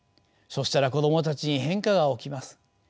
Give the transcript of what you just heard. そしたら子どもたちに変化が起きます。